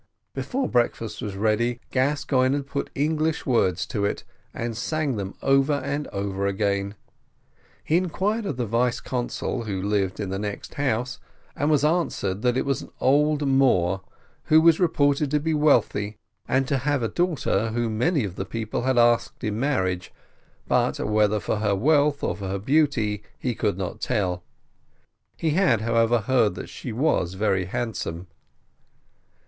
Before breakfast was ready, Gascoigne had put English words to it, and sang them over and over again. He inquired of the vice consul who lived in the next house, and was answered, that it was an old Moor, who was reported to be wealthy, and to have a daughter, whom many of the people had asked in marriage, but whether for her wealth or for her beauty he could not tell; he had, however, heard that she was very handsome.